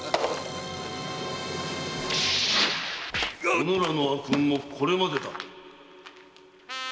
・うぬらの悪運もこれまでだ。